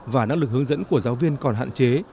và năng lực hướng dẫn của giáo viên còn hạn chế